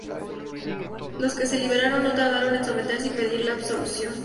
Los que se libraron no tardaron en someterse y pedir la absolución.